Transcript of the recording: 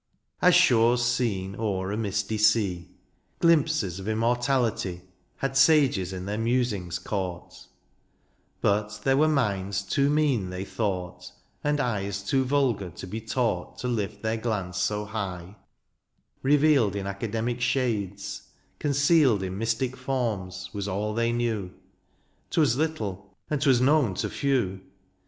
As shores seen o^er a misty sea. Glimpses of immortality Had sages in their musings caught ; 96 DIONYSIUS, But there were minds too mean they thought, And eyes too vulgar to be taught To lift their glance so high, — revealed In academic shades — concealed In mystic forms, was aU they knew ; 'Twas little, and 'twas known to few.